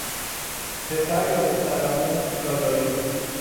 پسر یا دختر عمو یا دایی